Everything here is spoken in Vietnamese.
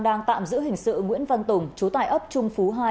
đang tạm giữ hình sự nguyễn văn tùng chú tại ấp trung phú hai